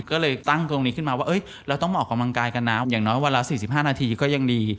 ก็เลยตั้งตรงนี้ขึ้นมาว่าเราต้องมาออกกำลังกายกันนะอย่างน้อยวันละ๔๕นาทีก็ยังดี